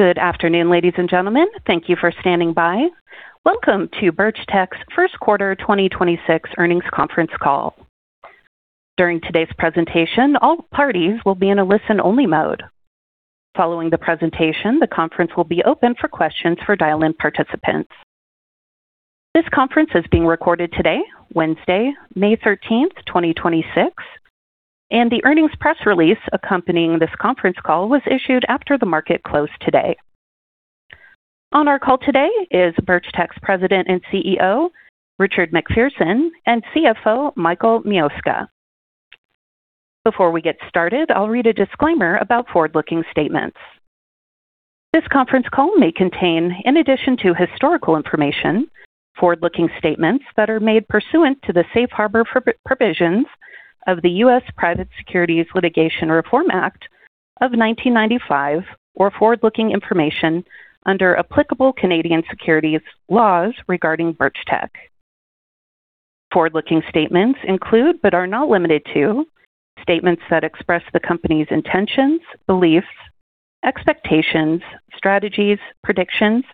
Good afternoon, ladies and gentlemen. Thank you for standing by. Welcome to Birchtech's first quarter 2026 earnings conference call. During today's presentation, all parties will be in a listen-only mode. Following the presentation, the conference will be open for questions for dial-in participants. This conference is being recorded today, Wednesday, May 13th, 2026, and the earnings press release accompanying this conference call was issued after the market close today. On our call today is Birchtech's President and CEO, Richard MacPherson, and CFO, Michael Mioska. Before we get started, I'll read a disclaimer about forward-looking statements. This conference call may contain, in addition to historical information, forward-looking statements that are made pursuant to the Safe Harbor provisions of the U.S. Private Securities Litigation Reform Act of 1995 or forward-looking information under applicable Canadian securities laws regarding Birchtech. Forward-looking statements include, but are not limited to, statements that express the company's intentions, beliefs, expectations, strategies, predictions,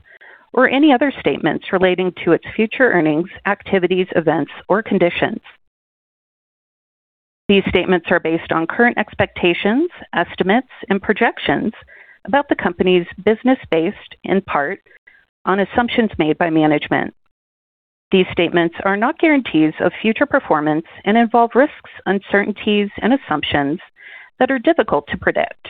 or any other statements relating to its future earnings, activities, events, or conditions. These statements are based on current expectations, estimates, and projections about the company's business based in part on assumptions made by management. These statements are not guarantees of future performance and involve risks, uncertainties and assumptions that are difficult to predict.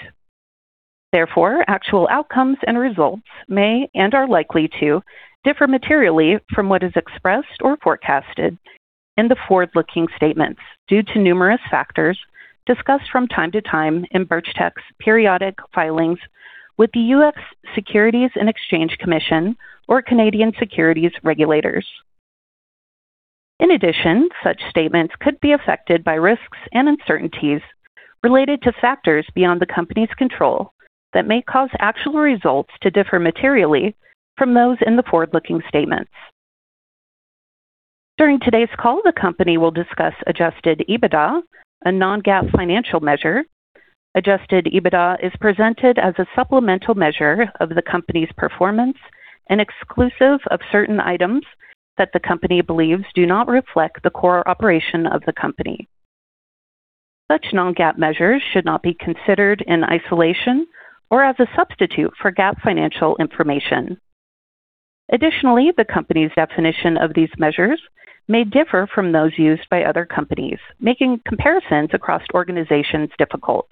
Actual outcomes and results may and are likely to differ materially from what is expressed or forecasted in the forward-looking statements due to numerous factors discussed from time to time in Birchtech's periodic filings with the U.S. Securities and Exchange Commission or Canadian securities regulators. In addition, such statements could be affected by risks and uncertainties related to factors beyond the company's control that may cause actual results to differ materially from those in the forward-looking statements. During today's call, the company will discuss adjusted EBITDA, a non-GAAP financial measure. Adjusted EBITDA is presented as a supplemental measure of the company's performance and exclusive of certain items that the company believes do not reflect the core operation of the company. Such non-GAAP measures should not be considered in isolation or as a substitute for GAAP financial information. Additionally, the company's definition of these measures may differ from those used by other companies, making comparisons across organizations difficult.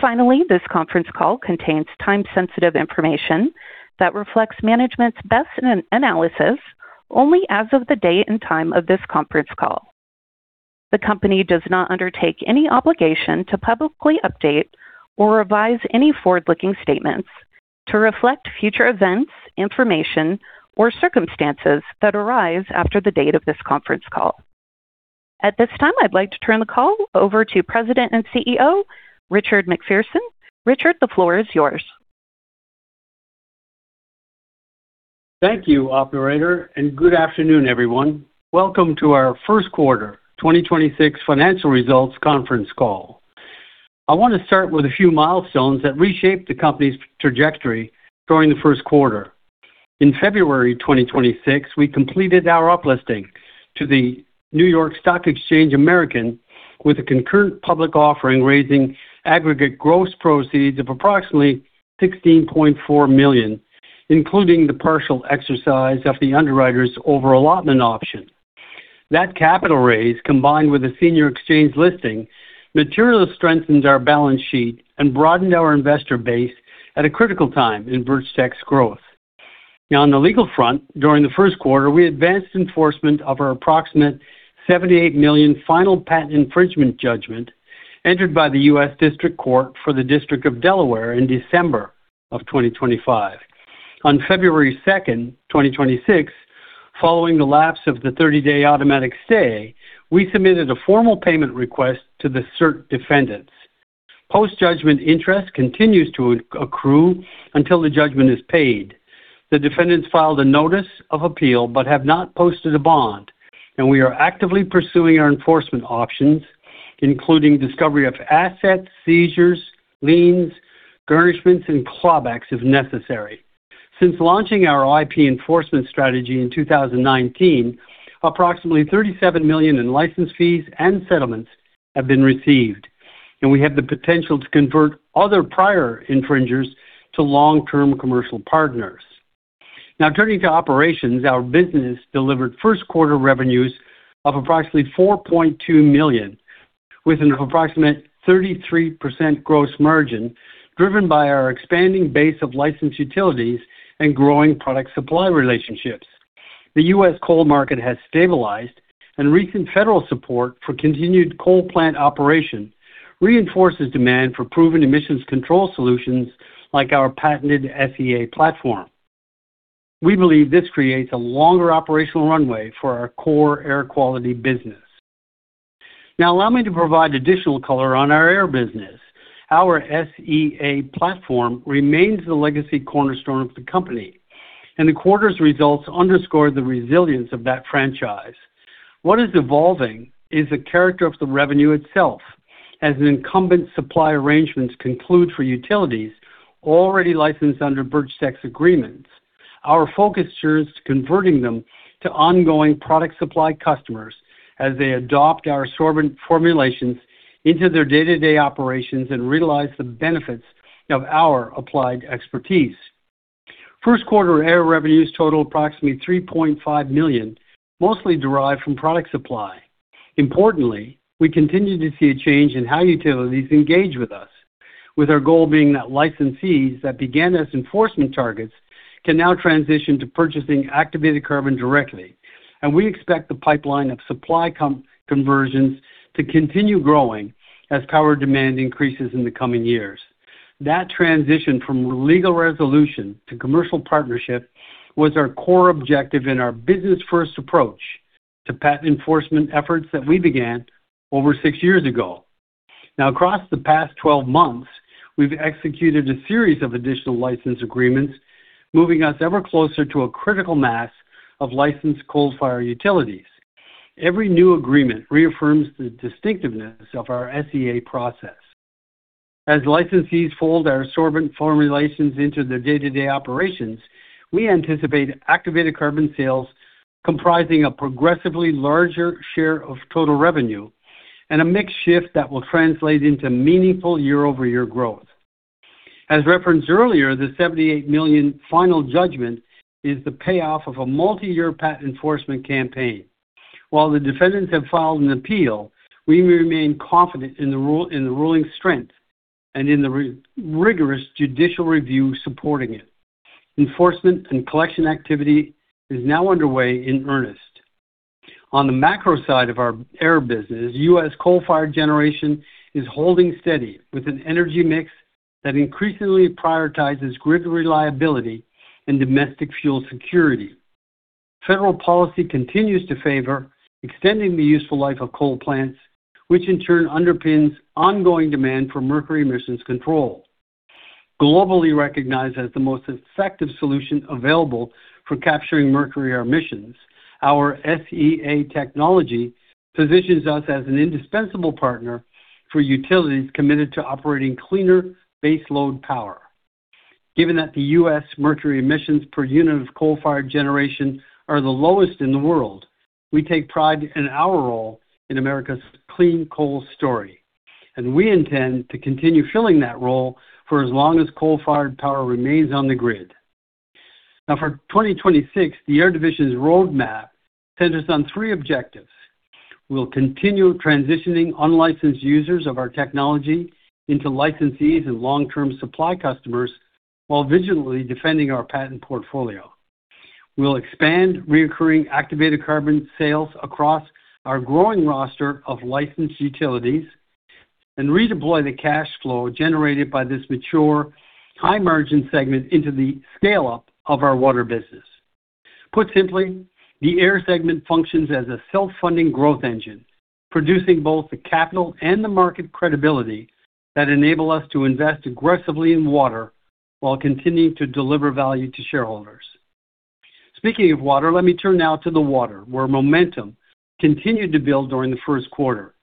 Finally, this conference call contains time-sensitive information that reflects management's best analysis only as of the date and time of this conference call. The company does not undertake any obligation to publicly update or revise any forward-looking statements to reflect future events, information, or circumstances that arise after the date of this conference call. At this time, I'd like to turn the call over to President and CEO, Richard MacPherson. Richard, the floor is yours. Thank you, operator, and good afternoon, everyone. Welcome to our first quarter 2026 financial results conference call. I want to start with a few milestones that reshaped the company's trajectory during the first quarter. In February 2026, we completed our uplisting to the NYSE American with a concurrent public offering, raising aggregate gross proceeds of approximately $16.4 million, including the partial exercise of the underwriter's over-allotment option. That capital raise, combined with a senior exchange listing, materially strengthens our balance sheet and broadened our investor base at a critical time in Birchtech's growth. Now, on the legal front, during the first quarter, we advanced enforcement of our approximate $78 million final patent infringement judgment entered by the U.S. District Court for the District of Delaware in December of 2025. On February 2nd, 2026, following the lapse of the 30-day automatic stay, we submitted a formal payment request to the cert defendants. Post-judgment interest continues to accrue until the judgment is paid. The defendants filed a notice of appeal but have not posted a bond, and we are actively pursuing our enforcement options, including discovery of assets, seizures, liens, garnishments, and clawbacks as necessary. Since launching our IP enforcement strategy in 2019, approximately $37 million in license fees and settlements have been received, and we have the potential to convert other prior infringers to long-term commercial partners. Now turning to operations, our business delivered first quarter revenues of approximately $4.2 million with an approximate 33% gross margin, driven by our expanding base of licensed utilities and growing product supply relationships. The U.S. coal market has stabilized. Recent federal support for continued coal plant operation reinforces demand for proven emissions control solutions like our patented SEA platform. We believe this creates a longer operational runway for our core Air Quality business. Allow me to provide additional color on our Air business. Our SEA platform remains the legacy cornerstone of the company. The quarter's results underscore the resilience of that franchise. What is evolving is the character of the revenue itself. As incumbent supply arrangements conclude for utilities already licensed under Birchtech agreements, our focus turns to converting them to ongoing Product Supply customers as they adopt our sorbent formulations into their day-to-day operations and realize the benefits of our applied expertise. First quarter Air revenues totaled approximately $3.5 million, mostly derived from Product Supply. Importantly, we continue to see a change in how utilities engage with us, with our goal being that licensees that began as enforcement targets can now transition to purchasing activated carbon directly. We expect the pipeline of supply conversions to continue growing as power demand increases in the coming years. That transition from legal resolution to commercial partnership was our core objective in our business-first approach to patent enforcement efforts that we began over six years ago. Across the past 12 months, we've executed a series of additional license agreements, moving us ever closer to a critical mass of licensed coal-fired utilities. Every new agreement reaffirms the distinctiveness of our SEA process. As licensees fold our sorbent formulations into their day-to-day operations, we anticipate activated carbon sales comprising a progressively larger share of total revenue and a mix shift that will translate into meaningful year-over-year growth. As referenced earlier, the $78 million final judgment is the payoff of a multi-year patent enforcement campaign. While the defendants have filed an appeal, we remain confident in the rule, in the ruling's strength and in the rigorous judicial review supporting it. Enforcement and collection activity is now underway in earnest. On the macro side of our Air business, U.S. coal-fired generation is holding steady with an energy mix that increasingly prioritizes grid reliability and domestic fuel security. Federal policy continues to favor extending the useful life of coal plants, which in turn underpins ongoing demand for mercury emissions control. Globally recognized as the most effective solution available for capturing mercury emissions, our SEA technology positions us as an indispensable partner for utilities committed to operating cleaner baseload power. Given that the U.S. mercury emissions per unit of coal-fired generation are the lowest in the world, we take pride in our role in America's clean coal story, and we intend to continue filling that role for as long as coal-fired power remains on the grid. Now for 2026, the Air division's roadmap centers on three objectives. We'll continue transitioning unlicensed users of our technology into licensees and long-term supply customers while vigilantly defending our patent portfolio. We'll expand recurring activated carbon sales across our growing roster of licensed utilities and redeploy the cash flow generated by this mature, high-margin segment into the scale-up of our Water business. Put simply, the Air segment functions as a self-funding growth engine, producing both the capital and the market credibility that enable us to invest aggressively in Water while continuing to deliver value to shareholders. Speaking of water, let me turn now to the Water, where momentum continued to build during the first quarter.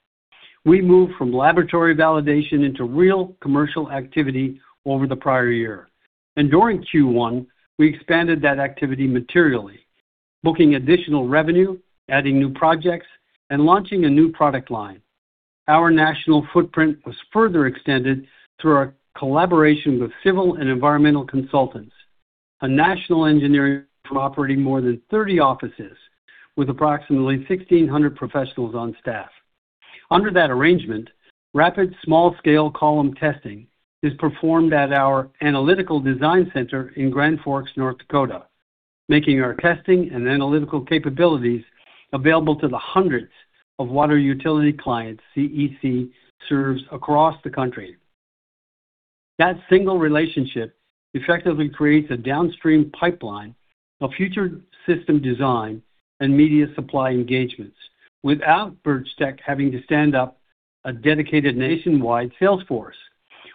We moved from laboratory validation into real commercial activity over the prior year. During Q1, we expanded that activity materially, booking additional revenue, adding new projects, and launching a new product line. Our national footprint was further extended through our collaboration with Civil & Environmental Consultants, a national engineering firm operating more than 30 offices with approximately 1,600 professionals on staff. Under that arrangement, Rapid Small-Scale Column Test is performed at our analytical design center in Grand Forks, North Dakota, making our testing and analytical capabilities available to the hundreds of water utility clients CEC serves across the country. That single relationship effectively creates a downstream pipeline of future system design and media supply engagements without Birchtech having to stand up a dedicated nationwide sales force.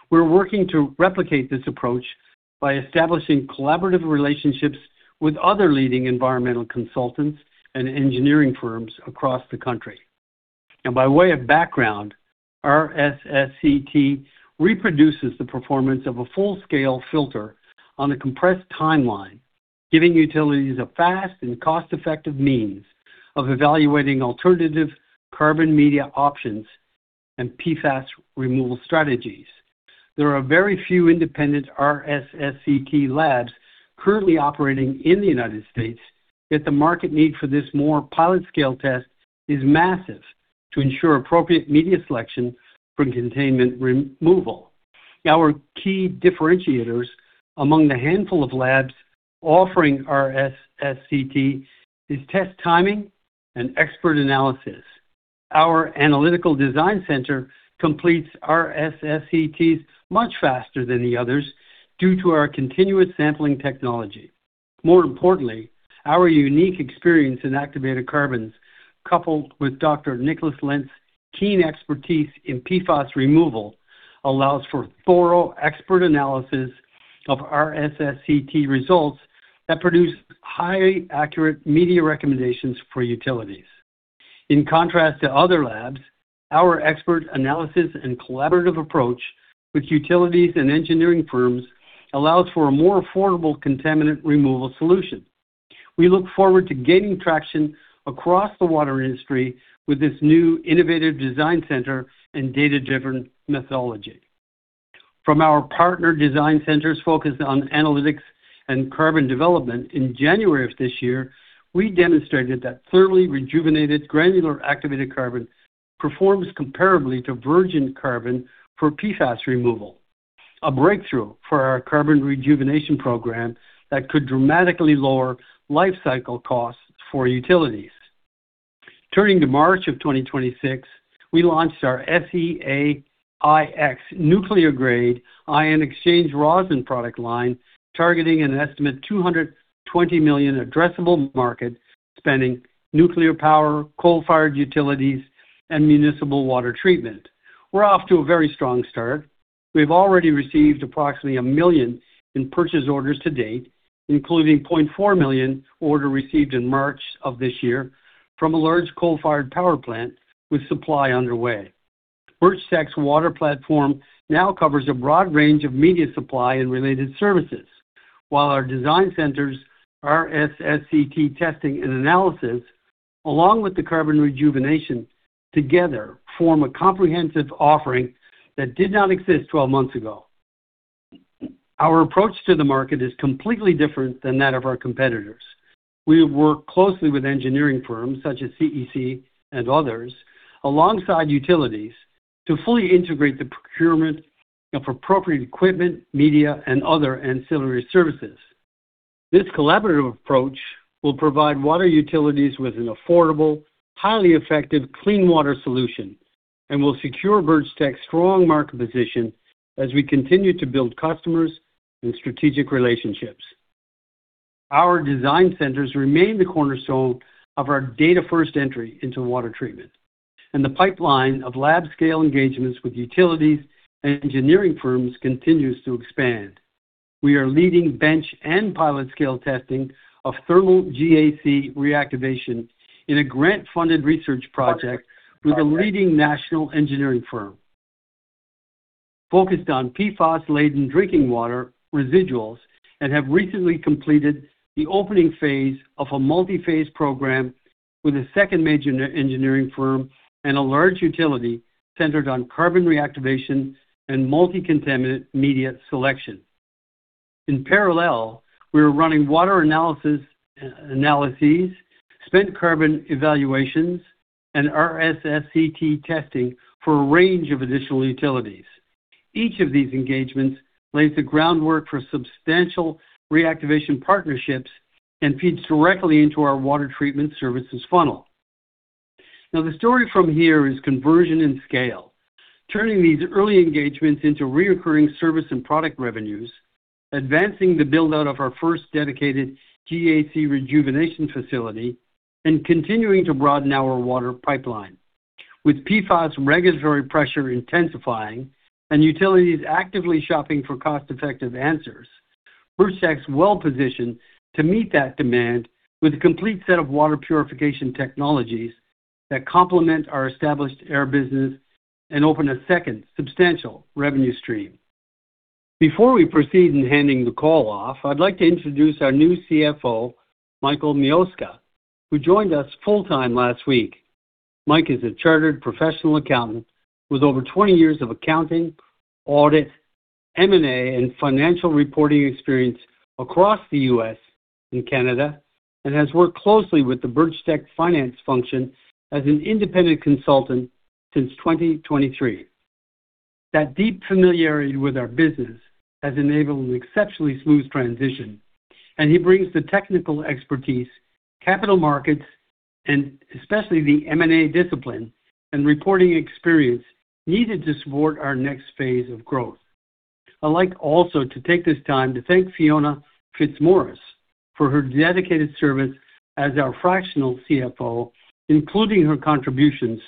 We're working to replicate this approach by establishing collaborative relationships with other leading environmental consultants and engineering firms across the country. By way of background, our RSSCT reproduces the performance of a full-scale filter on a compressed timeline, giving utilities a fast and cost-effective means of evaluating alternative carbon media options and PFAS removal strategies. There are very few independent RSSCT labs currently operating in the U.S., yet the market need for this more pilot-scale test is massive to ensure appropriate media selection for contaminant removal. Our key differentiators among the handful of labs offering RSSCT is test timing and expert analysis. Our analytical design center completes RSSCTs much faster than the others due to our continuous sampling technology. More importantly, our unique experience in activated carbons, coupled with Dr. Nicholas Lentz's team expertise in PFAS removal allows for thorough expert analysis of RSSCT results that produce highly accurate media recommendations for utilities. In contrast to other labs, our expert analysis and collaborative approach with utilities and engineering firms allows for a more affordable contaminant removal solution. We look forward to gaining traction across the water industry with this new innovative design center and data-driven methodology. From our partner design centers focused on analytics and carbon development, in January of this year, we demonstrated that thoroughly rejuvenated granular activated carbon performs comparably to virgin carbon for PFAS removal, a breakthrough for our carbon rejuvenation program that could dramatically lower life cycle costs for utilities. Turning to March of 2026, we launched our SEA-IX nuclear grade ion exchange resin product line, targeting an estimated $220 million addressable market spanning, nuclear power, coal-fired utilities, and municipal water treatment. We're off to a very strong start. We've already received approximately $1 million in purchase orders to date, including $0.4 million order received in March of this year from a large coal-fired power plant with supply underway. Birchtech's Water platform now covers a broad range of media supply and related services. While our design centers RSSCT testing and analysis, along with the carbon rejuvenation together form a comprehensive offering that did not exist 12 months ago. Our approach to the market is completely different than that of our competitors. We work closely with engineering firms such as CEC and others alongside utilities to fully integrate the procurement of appropriate equipment, media, and other ancillary services. This collaborative approach will provide water utilities with an affordable, highly effective clean water solution and will secure Birchtech's strong market position as we continue to build customers and strategic relationships. Our design centers remain the cornerstone of our data-first entry into water treatment, and the pipeline of lab-scale engagements with utilities and engineering firms continues to expand. We are leading bench- and pilot-scale testing of thermal GAC reactivation in a grant-funded research project with a leading national engineering firm focused on PFOS-laden drinking water residuals and have recently completed the opening phase of a multi-phase program with a second major engineering firm and a large utility centered on carbon reactivation and multi-contaminant media selection. In parallel, we are running water analyses, spent carbon evaluations, and RSSCT testing for a range of additional utilities. Each of these engagements lays the groundwork for substantial reactivation partnerships and feeds directly into our Water Treatment services funnel. The story from here is conversion and scale, turning these early engagements into recurring service and product revenues, advancing the build-out of our first dedicated GAC rejuvenation facility, and continuing to broaden our water pipeline. With PFOS regulatory pressure intensifying and utilities actively shopping for cost-effective answers, Birchtech's well-positioned to meet that demand with a complete set of water purification technologies that complement our established Air business and open a second substantial revenue stream. Before we proceed in handing the call off, I'd like to introduce our new CFO, Michael Mioska, who joined us full-time last week. Mike is a chartered professional accountant with over 20 years of accounting, audit, M&A, and financial reporting experience across the U.S. and Canada, and has worked closely with the Birchtech finance function as an independent consultant since 2023. That deep familiarity with our business has enabled an exceptionally smooth transition, and he brings the technical expertise, capital markets, and especially the M&A discipline and reporting experience needed to support our next phase of growth. I'd like also to take this time to thank Fiona Fitzmaurice for her dedicated service as our fractional CFO, including her contributions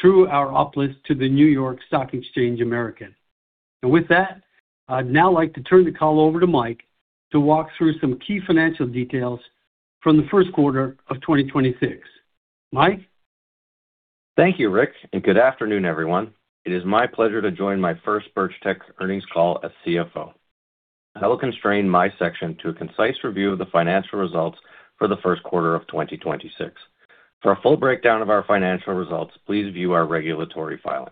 through our uplist to the New York Stock Exchange American. With that, I'd now like to turn the call over to Mike to walk through some key financial details from the first quarter of 2026. Mike? Thank you, Rick. Good afternoon, everyone. It is my pleasure to join my first Birchtech earnings call as CFO. I will constrain my section to a concise review of the financial results for the first quarter of 2026. For a full breakdown of our financial results, please view our regulatory filings.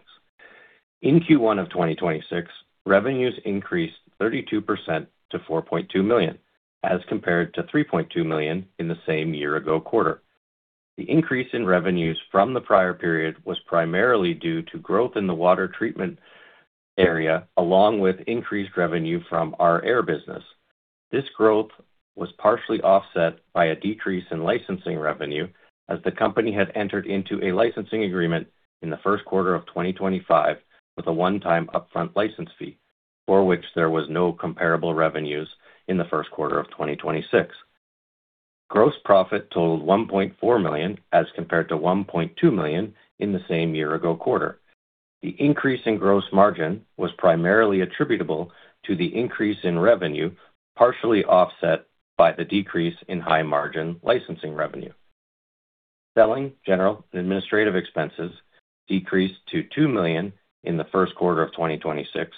In Q1 of 2026, revenues increased 32% to $4.2 million, as compared to $3.2 million in the same year-ago quarter. The increase in revenues from the prior period was primarily due to growth in the Water Treatment area, along with increased revenue from our Air business. This growth was partially offset by a decrease in licensing revenue as the company had entered into a licensing agreement in the first quarter of 2025 with a one-time upfront license fee, for which there was no comparable revenues in the first quarter of 2026. Gross profit totaled $1.4 million as compared to $1.2 million in the same year-ago quarter. The increase in gross margin was primarily attributable to the increase in revenue, partially offset by the decrease in high margin licensing revenue. Selling, general, and administrative expenses decreased to $2 million in the first quarter of 2026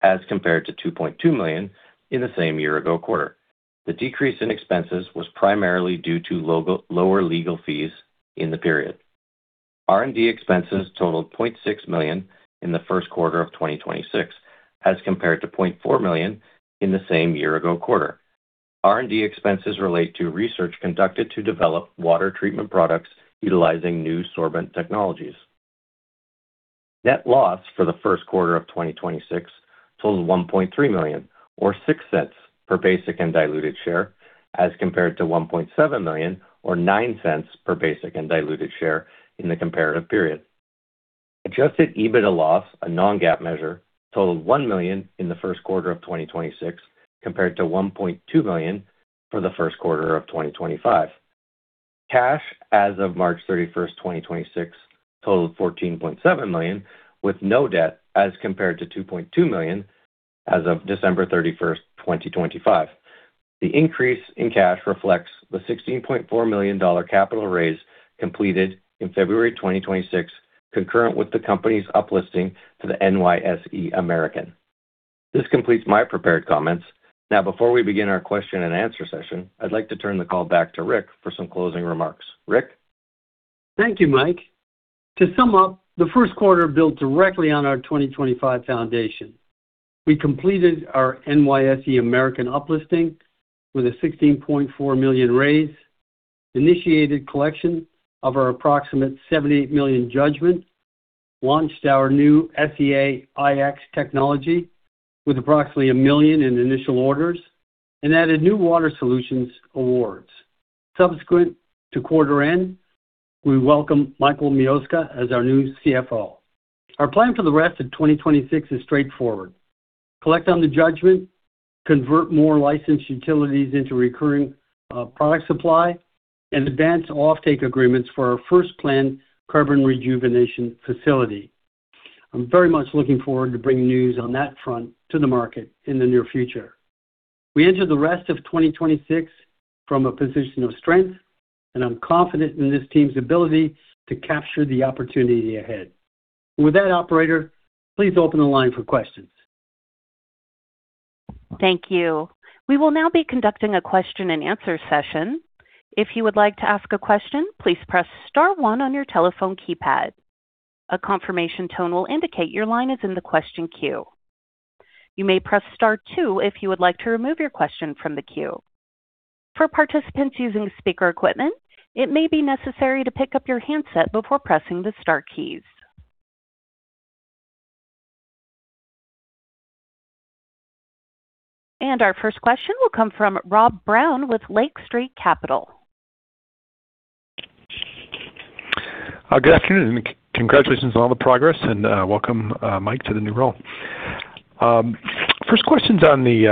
as compared to $2.2 million in the same year-ago quarter. The decrease in expenses was primarily due to lower legal fees in the period. R&D expenses totaled $0.6 million in the first quarter of 2026 as compared to $0.4 million in the same year ago quarter. R&D expenses relate to research conducted to develop Water Treatment products utilizing new sorbent technologies. Net loss for the first quarter of 2026 totaled $1.3 million or $0.06 per basic and diluted share as compared to $1.7 million or $0.09 per basic and diluted share in the comparative period. adjusted EBITDA loss, a non-GAAP measure, totaled $1 million in the first quarter of 2026 compared to $1.2 million for the first quarter of 2025. Cash as of March 31st, 2026 totaled $14.7 million with no debt as compared to $2.2 million as of December 31st, 2025. The increase in cash reflects the $16.4 million capital raise completed in February 2026, concurrent with the company's uplisting to the NYSE American. This completes my prepared comments. Before we begin our question-and-answer session, I'd like to turn the call back to Rick for some closing remarks. Rick? Thank you, Mike. To sum up, the first quarter built directly on our 2025 foundation. We completed our NYSE American up-listing with a $16.4 million raise, initiated collection of our approximate $78 million judgment, launched our new SEA-IX technology with approximately $1 million in initial orders, and added new water solutions awards. Subsequent to quarter end, we welcome Michael Mioska as our new CFO. Our plan for the rest of 2026 is straightforward: collect on the judgment, convert more licensed utilities into recurring product supply, and advance offtake agreements for our first planned carbon rejuvenation facility. I'm very much looking forward to bringing news on that front to the market in the near future. We enter the rest of 2026 from a position of strength, and I'm confident in this team's ability to capture the opportunity ahead. With that, operator, please open the line for questions. Thank you. We will now be conducting a question-and-answer session. If you would like to ask a question, please press star one on your telephone keypad. A confirmation tone will indicate your line is in the question queue. You may press star two if you would like to remove your question from the queue. For participants using speaker equipment, it may be necessary to pick up your handset before pressing the star keys. Our first question will come from Rob Brown with Lake Street Capital. Good afternoon, and congratulations on all the progress and welcome, Mike, to the new role. First question's on the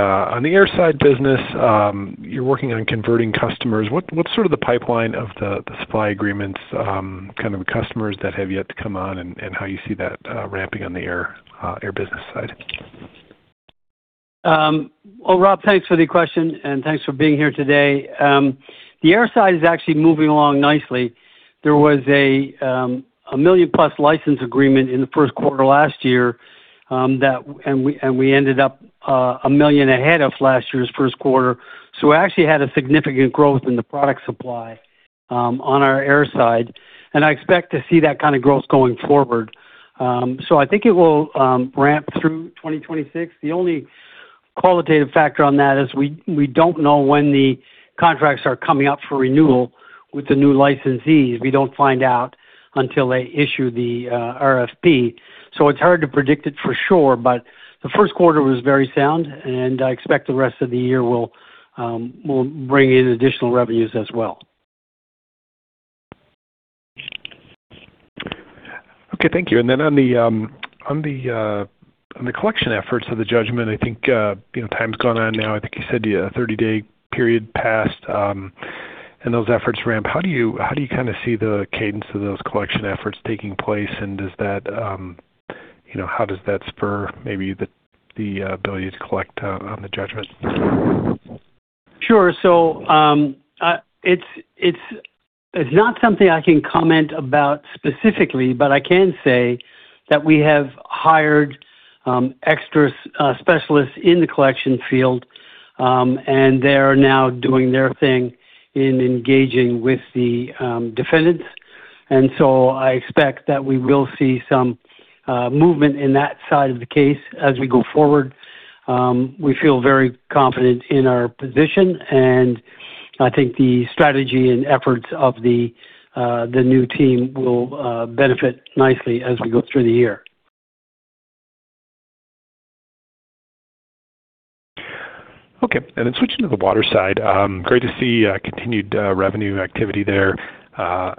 Air side business. You're working on converting customers. What's sort of the pipeline of the supply agreements, kind of customers that have yet to come on and how you see that ramping on the Air business side? Well, Rob, thanks for the question, and thanks for being here today. The Air side is actually moving along nicely. There was a $1 million+ license agreement in the first quarter last year, and we ended up $1 million ahead of last year's first quarter. We actually had a significant growth in the product supply on our Air side, and I expect to see that kind of growth going forward. I think it will ramp through 2026. The only qualitative factor on that is we don't know when the contracts are coming up for renewal with the new licensees. We don't find out until they issue the RFP. It's hard to predict it for sure, but the first quarter was very sound, and I expect the rest of the year will bring in additional revenues as well. Okay. Thank you. On the collection efforts of the judgment, I think, you know, time's gone on now. I think you said, yeah, a 30-day period passed, and those efforts ramp. How do you kinda see the cadence of those collection efforts taking place, and does that, you know, how does that spur maybe the ability to collect on the judgment? Sure. It's not something I can comment about specifically, but I can say that we have hired extra specialists in the collection field, and they are now doing their thing in engaging with the defendants. I expect that we will see some movement in that side of the case as we go forward. We feel very confident in our position, and I think the strategy and efforts of the new team will benefit nicely as we go through the year. Okay. Switching to the Water side, great to see continued revenue activity there. I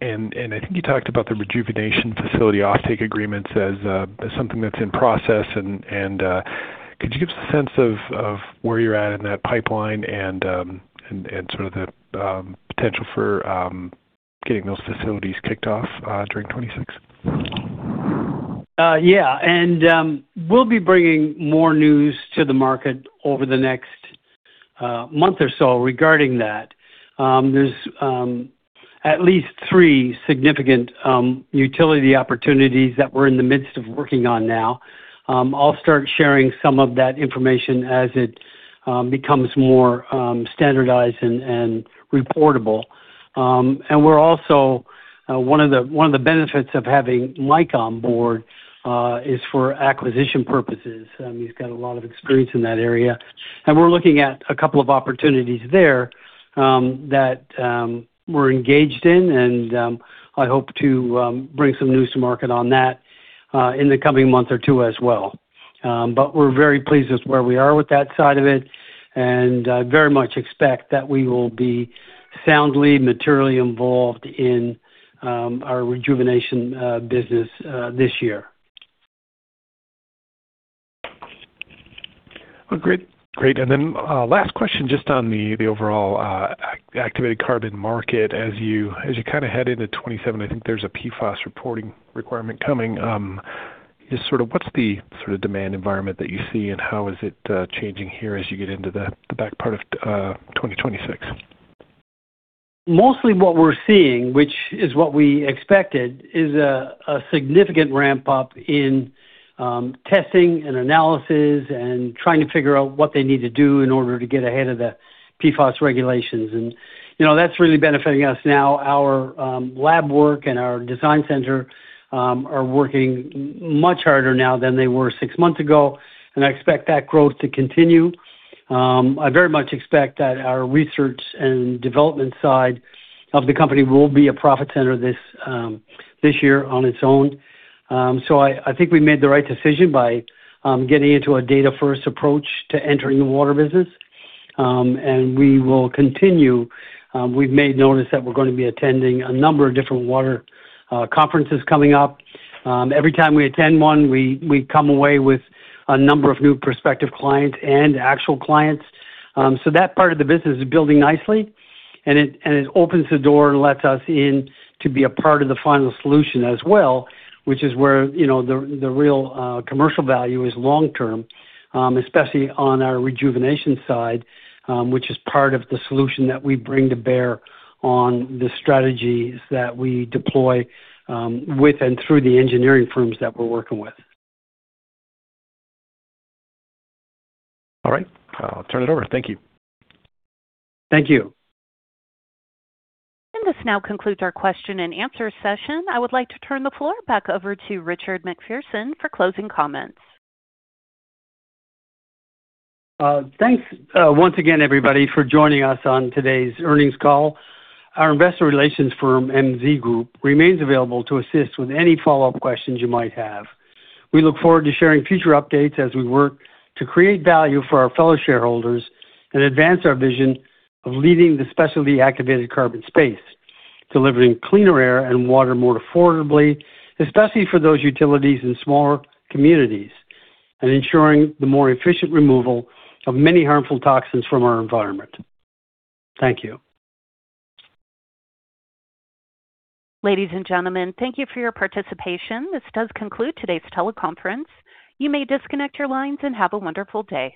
think you talked about the rejuvenation facility offtake agreements as something that's in process, could you give us a sense of where you're at in that pipeline and sort of the potential for getting those facilities kicked off during 2026? Yeah. We'll be bringing more news to the market over the next month or so regarding that. There's at least three significant utility opportunities that we're in the midst of working on now. I'll start sharing some of that information as it becomes more standardized and reportable. We're also one of the benefits of having Mike on board is for acquisition purposes. He's got a lot of experience in that area. We're looking at a couple of opportunities there that we're engaged in and I hope to bring some news to market on that in the coming month or two as well. We're very pleased with where we are with that side of it, and very much expect that we will be soundly materially involved in our Rejuvenation business this year. Well, great. Great. Last question just on the overall activated carbon market. As you kinda head into 2027, I think there's a PFAS reporting requirement coming. Just sort of what's the demand environment that you see, and how is it changing here as you get into the back part of 2026? Mostly what we're seeing, which is what we expected, is a significant ramp up in testing and analysis and trying to figure out what they need to do in order to get ahead of the PFAS regulations. You know, that's really benefiting us now. Our lab work and our design center are working much harder now than they were six months ago, and I expect that growth to continue. I very much expect that our research and development side of the company will be a profit center this year on its own. I think we made the right decision by getting into a data-first approach to entering the Water business. We will continue. We've made notice that we're gonna be attending a number of different water conferences coming up. Every time we attend one, we come away with a number of new prospective clients and actual clients. That part of the business is building nicely, and it, and it opens the door and lets us in to be a part of the final solution as well, which is where, you know, the real commercial value is long term, especially on our rejuvenation side, which is part of the solution that we bring to bear on the strategies that we deploy with and through the engineering firms that we're working with. All right. I'll turn it over. Thank you. Thank you. This now concludes our question-and-answer session. I would like to turn the floor back over to Richard MacPherson for closing comments. Thanks, once again, everybody, for joining us on today's earnings call. Our Investor Relations firm, MZ Group, remains available to assist with any follow-up questions you might have. We look forward to sharing future updates as we work to create value for our fellow shareholders and advance our vision of leading the specialty activated carbon space, delivering cleaner air and water more affordably, especially for those utilities in smaller communities, and ensuring the more efficient removal of many harmful toxins from our environment. Thank you. Ladies and gentlemen, thank you for your participation. This does conclude today's teleconference. You may disconnect your lines and have a wonderful day.